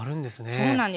そうなんです。